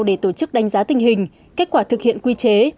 để tổ chức đánh giá tình hình kết quả thực hiện quy chế